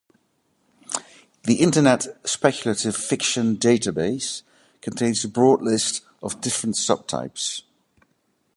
The Internet Speculative Fiction Database contains a broad list of different subtypes.